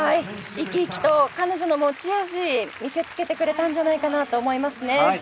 生き生きと彼女の持ち味見せつけてくれたんじゃないかなと思いますね。